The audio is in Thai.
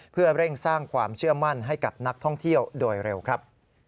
เพื่อเร่งสร้างความเชื่อมั่นให้กับนักท่องเที่ยวโดยเร็วครับ